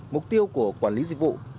mục tiêu của quản lý dịch vụ